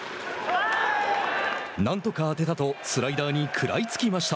何とか当てたとスライダーに食らいつきました。